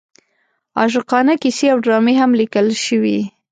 عاشقانه کیسې او ډرامې هم لیکل شوې.